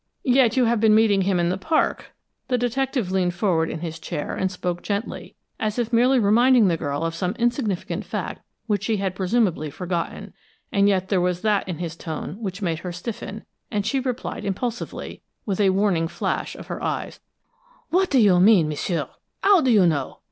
"Yet you have been meeting him in the park." The detective leaned forward in his chair and spoke gently, as if merely reminding the girl of some insignificant fact which she had presumably forgotten, yet there was that in his tone which made her stiffen, and she replied impulsively, with a warning flash of her eyes: "What do you mean, m'sieu? How do you know?